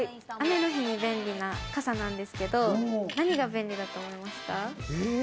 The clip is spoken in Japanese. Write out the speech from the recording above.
雨の日に便利な傘なんですけど、何が便利だと思いますか？